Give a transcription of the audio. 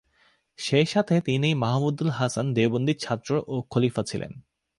সেসাথে তিনি মাহমুদুল হাসান দেওবন্দির ছাত্র ও খলিফা ছিলেন।